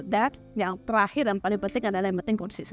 dan yang terakhir dan paling penting adalah yang penting konsistensi